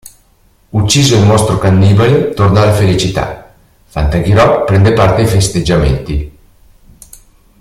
Ucciso il mostro cannibale torna la felicità; Fantaghirò prende parte ai festeggiamenti.